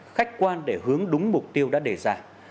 khách quan để hướng đúng mục tiêu đã đề ra